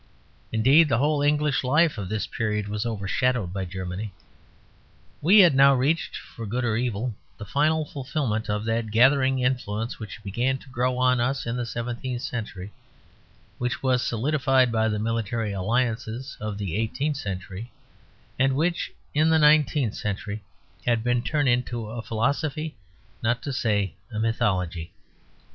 Indeed the whole English life of this period was overshadowed by Germany. We had now reached, for good or evil, the final fulfilment of that gathering influence which began to grow on us in the seventeenth century, which was solidified by the military alliances of the eighteenth century, and which in the nineteenth century had been turned into a philosophy not to say a mythology.